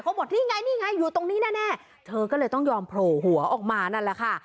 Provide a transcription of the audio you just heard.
บอกนี่ไงนี่ไงอยู่ตรงนี้แน่เธอก็เลยต้องยอมโผล่หัวออกมานั่นแหละค่ะ